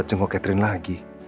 tunggu catherine lagi